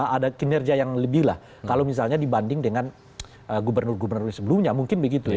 ada kinerja yang lebih lah kalau misalnya dibanding dengan gubernur gubernur sebelumnya mungkin begitu ya